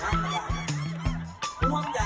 ห่วงอย่างอะไรถึงว่า